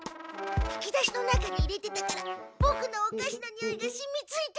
引き出しの中に入れてたからボクのおかしのにおいがしみついてて。